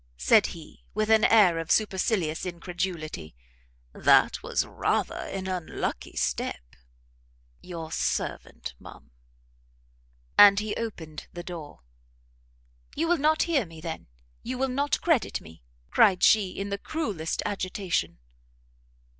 said he, with an air of supercilious incredulity; "that was rather an unlucky step. Your servant, ma'am." And he opened the door. "You will not hear me, then? you will not credit me?" cried she in the cruellest agitation.